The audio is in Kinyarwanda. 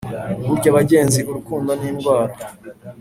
burya bagenzi urukundo ni indwara